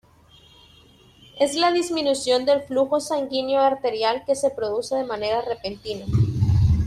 Es la disminución del flujo sanguíneo arterial que se produce de manera repentina.